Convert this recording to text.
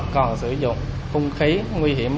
còn sử dụng khung khí nguy hiểm